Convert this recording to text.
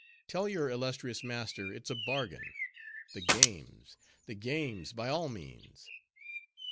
Tell your illustrious master it's a bargain. The games! the games! by all means."